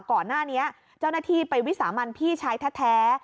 ก่อนหน้านี้เจ้าหน้าที่ไปวิสามันพี่ชายแท้